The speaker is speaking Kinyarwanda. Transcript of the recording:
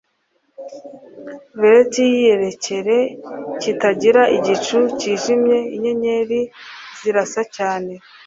Velheti yikirere kitagira igicu cyijimye inyenyeri zirasa cyane